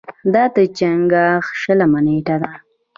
دا د چنګاښ شلمه نېټه ده.